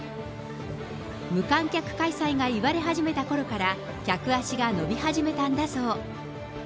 無観客開催が言われ始めたころから、客足が伸び始めたんだそう。